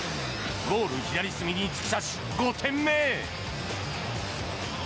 ゴール左隅に突き刺し、５点目。